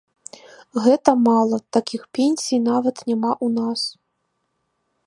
Гэта мала, такіх пенсій нават няма ў нас.